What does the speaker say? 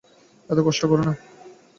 এত কষ্ট করো না।